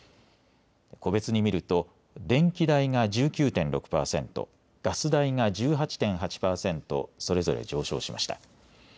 個別に見ると電気代が１９．６％、ガス代が１８．８％それぞれ上昇しました。